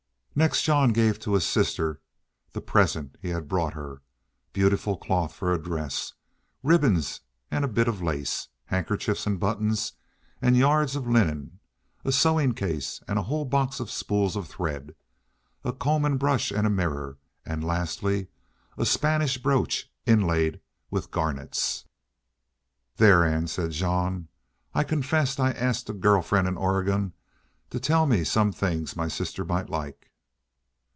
Next Jean gave to his sister the presents he had brought her beautiful cloth for a dress, ribbons and a bit of lace, handkerchiefs and buttons and yards of linen, a sewing case and a whole box of spools of thread, a comb and brush and mirror, and lastly a Spanish brooch inlaid with garnets. "There, Ann," said Jean, "I confess I asked a girl friend in Oregon to tell me some things my sister might like."